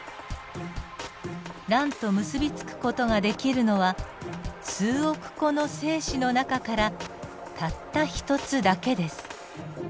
卵と結び付く事ができるのは数億個の精子の中からたった１つだけです。